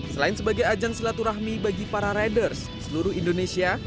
selain sebagai ajang silaturahmi bagi para riders di seluruh indonesia